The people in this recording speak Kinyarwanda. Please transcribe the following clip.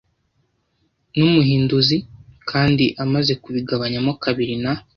Numuhinduzi, kandi amaze kubigabanyamo kabiri na